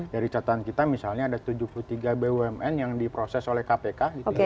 dari catatan kita misalnya ada tujuh puluh tiga bumn yang diproses oleh kpk gitu ya